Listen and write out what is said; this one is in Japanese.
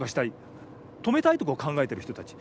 止めたいと考えてる人たち。